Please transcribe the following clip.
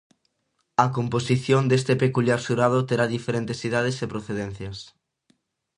A composición deste peculiar xurado terá diferentes idades e procedencias.